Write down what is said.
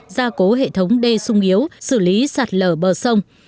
gia cố hệ thống đê sung yếu xử lý sạt lở bờ sông